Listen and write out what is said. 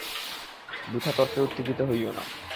বৃথা তর্কে উত্তেজিত হইও না।